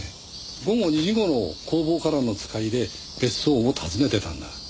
午後２時頃工房からの使いで別荘を訪ねてたんだ。